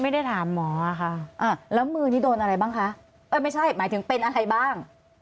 ไม่ได้ถามหมอค่ะอ่าแล้วมือนี้โดนอะไรบ้างคะเออไม่ใช่หมายถึงเป็นอะไรบ้าง